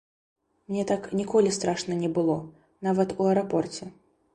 Мне так ніколі страшна не было, нават у аэрапорце.